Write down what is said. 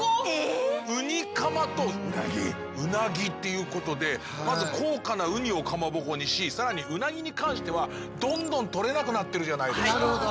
ウニかまとうなぎっていうことでまず高価なウニをかまぼこにし更にうなぎに関してはどんどん取れなくなってるじゃないですか。